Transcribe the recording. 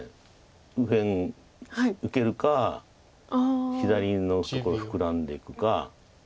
右辺受けるか左のところフクラんでいくか。